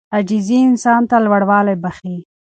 عاجزي انسان ته لوړوالی بښي.